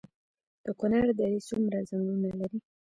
د کونړ درې څومره ځنګلونه لري؟